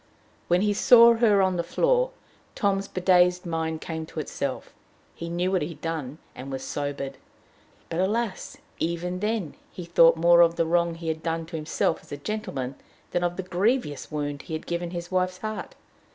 When he saw her on the floor, Tom's bedazed mind came to itself; he knew what he had done, and was sobered. But, alas! even then he thought more of the wrong he had done to himself as a gentleman than of the grievous wound he had given his wife's heart.